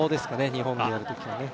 日本でやる時はね